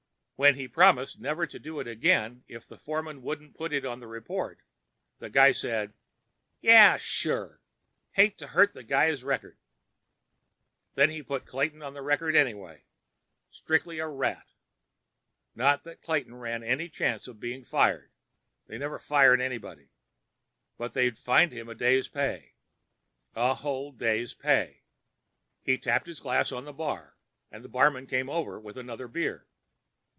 When he promised never to do it again if the foreman wouldn't put it on report, the guy said, "Yeah. Sure. Hate to hurt a guy's record." Then he'd put Clayton on report anyway. Strictly a rat. Not that Clayton ran any chance of being fired; they never fired anybody. But they'd fined him a day's pay. A whole day's pay. He tapped his glass on the bar, and the barman came over with another beer.